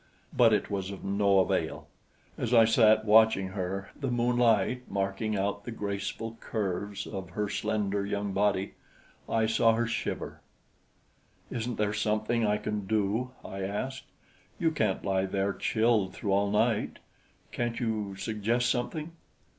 But it was of no avail; as I sat watching her, the moonlight marking out the graceful curves of her slender young body, I saw her shiver. "Isn't there something I can do?" I asked. "You can't lie there chilled through all night. Can't you suggest something?"